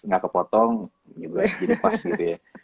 gak kepotong jadi pas gitu ya